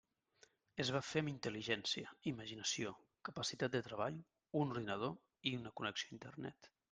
Es va fer amb intel·ligència, imaginació, capacitat de treball, un ordinador i una connexió a Internet.